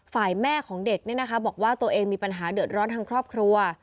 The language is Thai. ฝ่ายแม่ของเด็กบอกว่าตัวเองมีปัญหาเดือดร้อนทางครอบครัว